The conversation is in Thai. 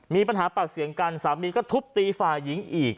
มีปัญหาปากเสียงกันสามีก็ทุบตีฝ่ายหญิงอีก